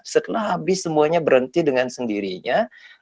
setelah habis semuanya berhenti dengan sendirinya